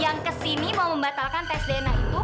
yang kesini mau membatalkan tes dna itu